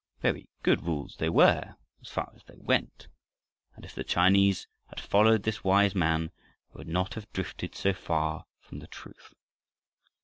Very good rules they were as far as they went, and if the Chinese had followed this wise man they would not have drifted so far from the truth.